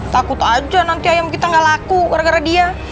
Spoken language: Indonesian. takut aja nanti ayam kita gak laku gara gara dia